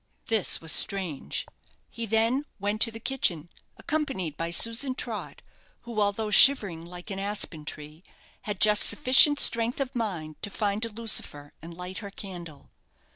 This was strange. He then went to the kitchen, accompanied by Susan Trott, who, although shivering like an aspen tree, had just sufficient strength of mind to find a lucifer and light her candle.